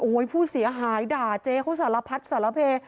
ผู้เสียหายด่าเจ๊เขาสารพัดสารเพ